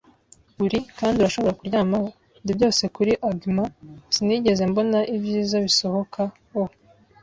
uri, kandi urashobora kuryamaho. Ndi byose kuri argyment; Sinigeze mbona ibyiza bisohoka o '